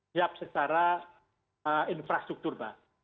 siap secara infrastruktur pak